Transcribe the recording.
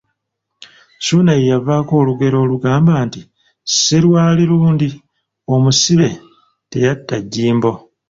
Suuna ye yavaako olugero olugamba nti, ‘Serwali lundi omusibe tayaita jjimbo.`